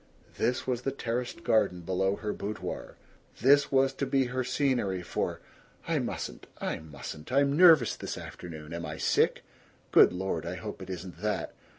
This was the terraced garden below her boudoir; this was to be her scenery for "I mustn't! I mustn't! I'm nervous this afternoon. Am I sick? ... Good Lord, I hope it isn't that!